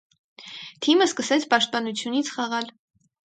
Թիմը սկսեց պաշտպանությունից խաղալ։